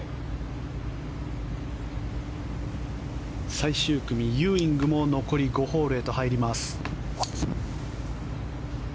最終組、ユーイングも残り５ホールへと入ります。